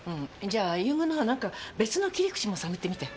じゃあ遊軍のほうは何か別の切り口も探ってみて。